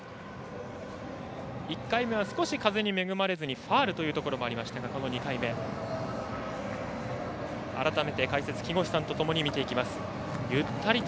１回目は、少し風に恵まれずファウルもありまして２回目、改めて解説の木越さんとともに見ていきます。